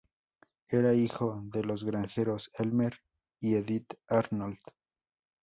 Era hijo de los granjeros Elmer y Edith Arnold.